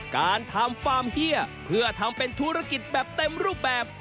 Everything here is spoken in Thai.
การทำฟาร์มเฮียเพื่อทำเป็นธุรกิจแบบเต็มรูปแบบ